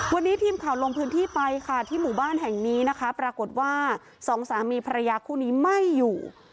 วันนี้ทีมข่าวลงพื้นที่ไปค่ะที่หมู่บ้านแห่งนี้นะคะปรากฏว่าสองสามีภรรยาคู่นี้ไม่อยู่